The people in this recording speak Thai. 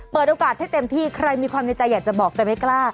เปิดโอกาสให้เต็มที่ใครมีความในใจอยากจะบอกแต่ไม่กล้า